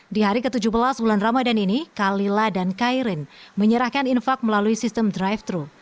di hari ke tujuh belas bulan ramadan ini kalila dan kairin menyerahkan infak melalui sistem drive thru